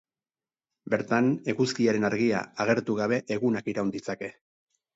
Bertan, eguzkiaren argia agertu gabe egunak iraun ditzake.